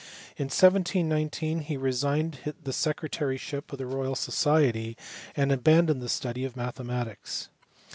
In. 1719 he resigned the secretaryship of the Royal Society and abandoned the study of mathematics.